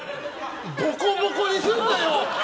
ボコボコにすんなよ！